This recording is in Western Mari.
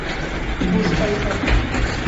куштылгы